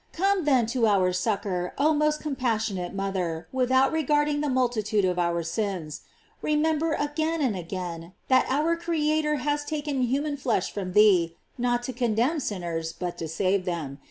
Come, then, to our succor, oh most compassion GLORIES OP MARY. ate mother, without regarding the multitude of our sins. Remember again and again that our Creator has taken human flesh from thee, not to condemn sinners, but to save them.